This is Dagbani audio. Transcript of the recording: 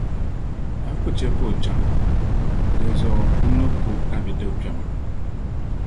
a ku chɛ ka o chaŋ, dinzuɣu n ni ku a bidib’ kpɛma.